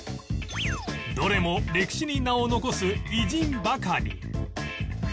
どれも歴史に名を残す偉人ばかり